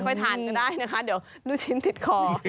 ทานก็ได้นะคะเดี๋ยวลูกชิ้นติดคอ